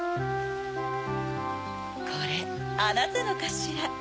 これあなたのかしら？